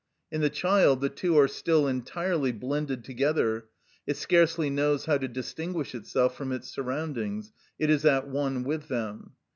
In the child the two are still entirely blended together; it scarcely knows how to distinguish itself from its surroundings, it is at one with them.